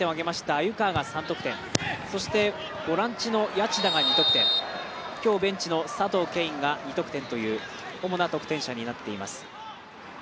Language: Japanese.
鮎川が３得点、そして、ボランチの谷内田が２得点今日、ベンチの佐藤恵允が２得点という主な得点者になっています。